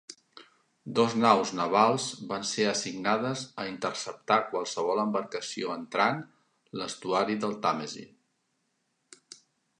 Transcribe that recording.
Dos naus navals van ser assignades a interceptar qualsevol embarcació entrant l'estuari del Tàmesi.